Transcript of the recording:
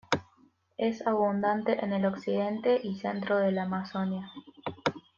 Es abundante en el occidente y centro de la Amazonia.